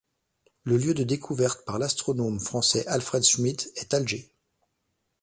Le lieu de découverte, par l'astronome français Alfred Schmitt, est Alger.